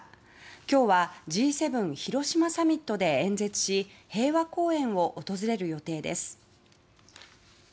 今日はＧ７広島サミットで演説し平和公園を訪れる予定です。